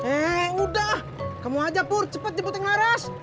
eh udah kamu aja pur cepet jemput yang laras